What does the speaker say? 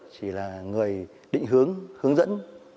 chỉ là người định hướng hướng dẫn